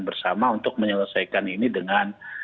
bersama untuk menyelesaikan ini dengan